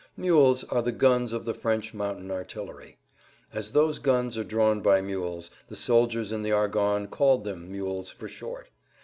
"Mules" are the guns of the French mountain artillery. As those guns are drawn by mules, the soldier in the Argonnes calls them "mules" for short.